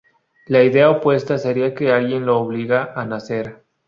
La idea opuesta seria que alguien lo obliga a hacer.